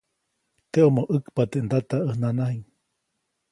Teʼomo ʼäkyajpa teʼ ndata ʼäj nanajiʼŋ.